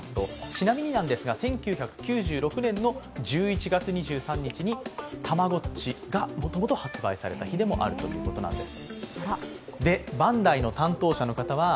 ちなみに１９９６年１１月２３日にたまごっちが、もともと発売された日でもあるということなんです。